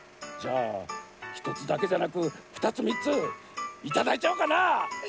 じゃあひとつだけじゃなくふたつみっついただいちゃおうかなあ？